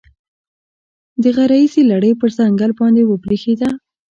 د غره ییزې لړۍ پر ځنګل باندې وبرېښېده.